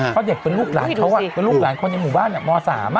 พอเด็กเป็นลูกหลานเหมือนคนที่หมู่บ้านโม๓